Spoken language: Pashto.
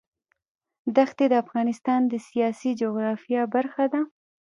دښتې د افغانستان د سیاسي جغرافیه برخه ده.